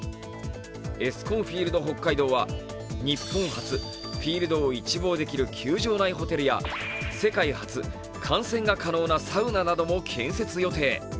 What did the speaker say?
エスコンフィールド北海道は日本初フィールドを一望できる球場内ホテルや世界初、観戦が可能なサウナなども建設予定。